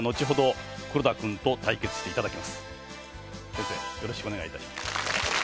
先生よろしくお願いいたします。